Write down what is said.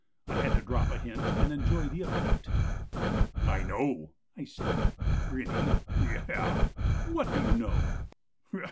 I had to drop a hint and enjoy the effect. "'I know,' I said, grinning. 'Gy y.' "'What do you know?'